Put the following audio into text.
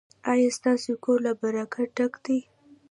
ایا ستاسو کور له برکت ډک دی؟